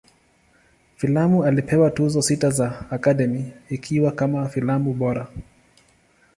Filamu ilipewa Tuzo sita za Academy, ikiwa kama filamu bora.